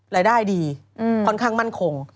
รายได้ดีค่อนข้างมั่นคง